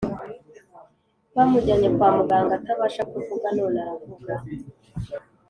Bamujyanye kwa muganga atabasha kuvuga none aravuga